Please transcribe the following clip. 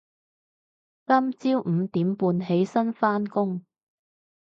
今朝五點半起身返工